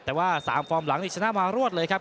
แต่ว่า๓ฟอร์มหลังนี่ชนะมารวดเลยครับ